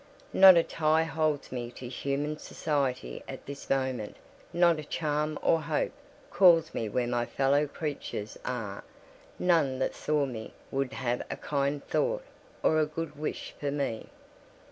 Not a tie holds me to human society at this moment—not a charm or hope calls me where my fellow creatures are—none that saw me would have a kind thought or a good wish for me.